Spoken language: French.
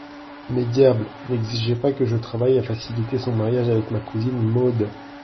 Mais, diable ! n'exigez pas que je travaille à faciliter son mariage avec ma cousine Maud.